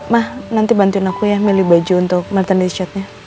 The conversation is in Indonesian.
ma nanti bantuin aku ya milih baju untuk maternity shotnya